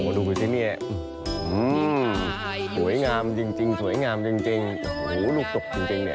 โอ้โหดูสิเนี่ยหื้มสวยงามจริงสวยงามจริงโหนุกตกจริงเนี่ย